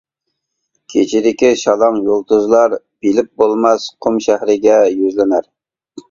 كېچىدىكى شالاڭ يۇلتۇزلار بىلىپ بولماس قۇم شەھىرىگە يۈزلىنەر.